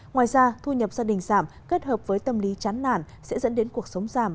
ngoài ra thu nhập gia đình giảm kết hợp với tâm lý chán nản sẽ dẫn đến cuộc sống giảm